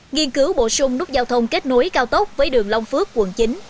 nghiên cứu bổ sung nút giao thông kết nối cao tốc với đường long phước quận chín